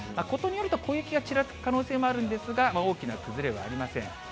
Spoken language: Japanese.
ことによると小雪がちらつく可能性はあるんですが、大きな崩れはありません。